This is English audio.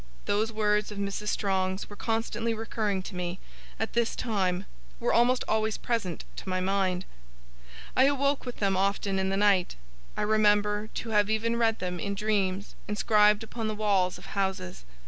Those words of Mrs. Strong's were constantly recurring to me, at this time; were almost always present to my mind. I awoke with them, often, in the night; I remember to have even read them, in dreams, inscribed upon the walls of houses.